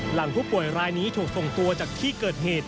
หลังผู้ป่วยรายนี้ถูกส่งตัวจากที่เกิดเหตุ